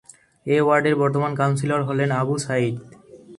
এ ওয়ার্ডের বর্তমান কাউন্সিলর হলেন আবু সাঈদ।